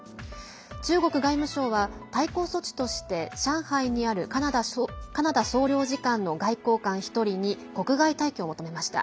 中国外務省は、対抗措置として上海にあるカナダ総領事館の外交官１人に国外退去を求めました。